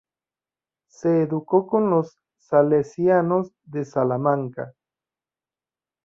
Se educó con los Salesianos de Salamanca.